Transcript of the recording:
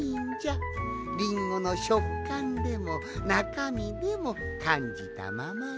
リンゴのしょっかんでもなかみでもかんじたままに。